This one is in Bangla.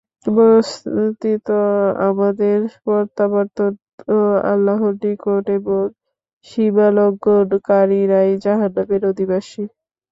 বস্তৃত আমাদের প্রত্যাবর্তন তো আল্লাহর নিকট এবং সীমালংঘনকারীরাই জাহান্নামের অধিবাসী।